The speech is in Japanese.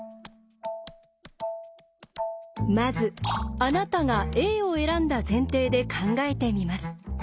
まずあなたがＡを選んだ前提で考えてみます。